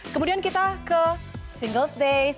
kemudian kita ke singles days